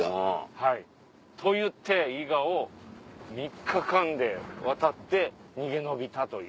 はいと言って伊賀を３日間で渡って逃げ延びたという。